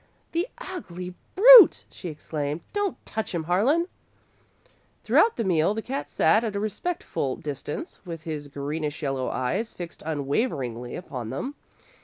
"The ugly brute!" she exclaimed. "Don't touch him, Harlan." Throughout the meal the cat sat at a respectful distance, with his greenish yellow eyes fixed unwaveringly upon them.